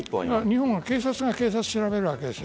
日本は警察が警察を調べるわけです。